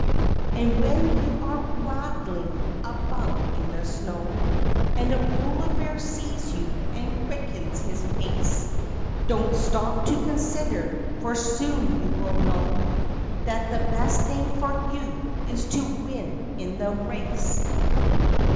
"And when you are waddling about in the snow And a polar bear sees you and quickens his pace, Don't stop to consider, for soon you will know, That the best thing for you is to win in the race."